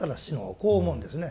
こう思うんですね。